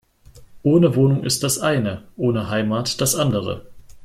Ohne Wohnung ist das eine, ohne Heimat das andere.